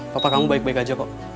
papa kamu baik baik aja kok